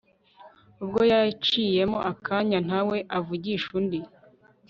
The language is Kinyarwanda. ubwo haciyemo akanya ntawe uvugisha undi